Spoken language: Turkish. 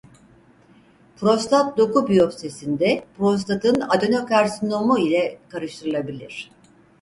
Prostat doku biyopsisinde prostatın adenokarsinomu ile karıştırılabilir.